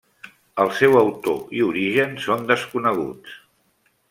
El seu autor i origen són desconeguts.